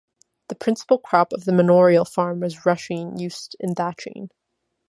The principal crop of the manorial farm was rushing used in thatching.